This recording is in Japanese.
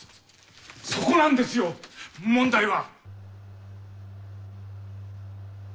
そこなんですよ問題は。